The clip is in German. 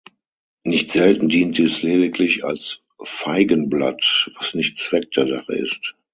Nicht selten dient dies lediglich als Feigenblatt, was nicht Zweck der Sache ist.